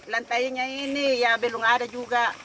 lantainya ini ya belum ada juga